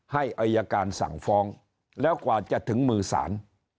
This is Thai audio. ให้อายการสั่งฟ้องแล้วกว่าจะถึงมือศาล